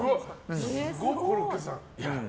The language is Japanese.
すごい、コロッケさん。